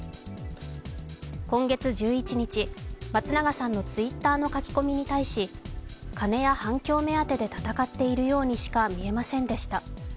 今月１１日、松永さんのＴｗｉｔｔｅｒの書き込みに対し金や反響目当てで闘っているようにしか見えませんでした、